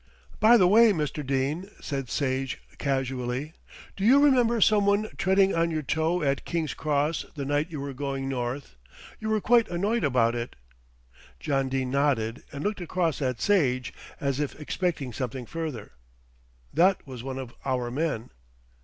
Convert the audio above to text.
"By the way, Mr. Dene," said Sage casually, "do you remember some one treading on your toe at King's Cross the night you were going north. You were quite annoyed about it." John Dene nodded and looked across at Sage, as if expecting something further. "That was one of our men."